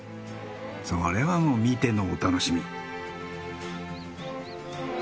それはもう見てのお楽しみ！